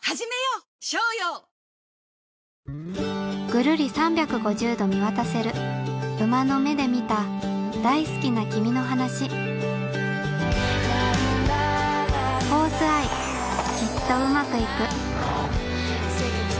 ぐるり３５０度見渡せる馬の目で見た大好きな君の話はぁ温泉気持ちいいな